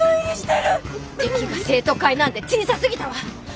敵が生徒会なんて小さすぎたわ。